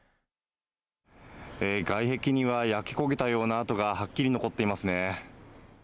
外壁には焼け焦げたような跡がはっきり残っていますね。